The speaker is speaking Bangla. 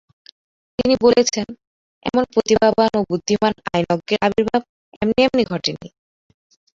তিনি বলেছেন, "এমন প্রতিভাবান ও বুদ্ধিমান আইনজ্ঞের আবির্ভাব এমনি এমনি ঘটেনি।